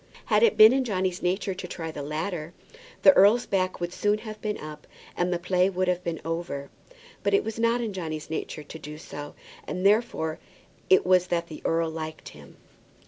Had it been in Johnny's nature to try the latter, the earl's back would soon have been up at once, and the play would have been over. But it was not in Johnny's nature to do so, and therefore it was that the earl liked him.